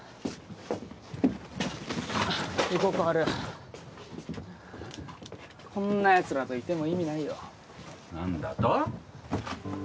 行こう小春こんなやつらといても意味ないよ何だと？